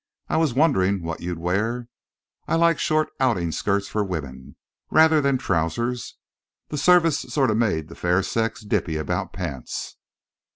"I was wondering what you'd wear. I like short outing skirts for women, rather than trousers. The service sort of made the fair sex dippy about pants."